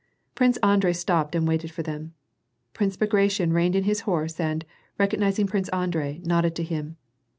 Prince Andrei stopped and waited for them. Prince Bagration reined in his horse and, recognizing Prince Andrei, nodded to him.